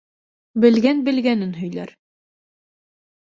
Белгән белгәнен һөйләр.